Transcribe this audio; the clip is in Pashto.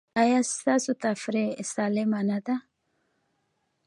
ایا ستاسو تفریح سالمه نه ده؟